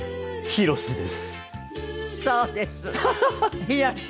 ヒロシです。